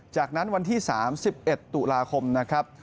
จากนั้นวันที่๓๑ตุลาคมนะครับ